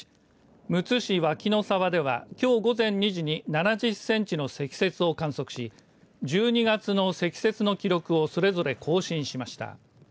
むつ市脇野沢では、きょう午前２時に７０センチの積雪を観測し１２月の積雪の記録をそれぞれ更新しました。